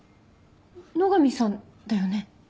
野上さんだよね？